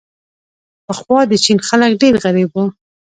پخوا د چین خلک ډېر غریب وو.